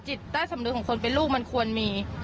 จิตใต้สำนึกของคนเป็นลูกมันควรมี